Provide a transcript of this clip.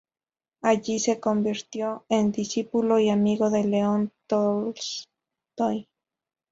Allí se convirtió en discípulo y amigo de León Tolstoi.